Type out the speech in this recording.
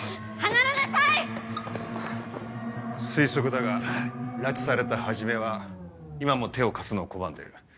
推測だが拉致された始は今も手を貸すのを拒んでる。